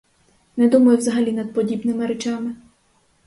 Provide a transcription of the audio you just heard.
Не думаю взагалі над подібними речами.